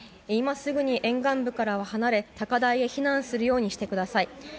今すぐに沿岸部からは離れ高台へ避難するようにしてください。